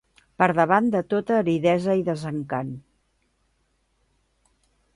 Per davant de tota aridesa i desencant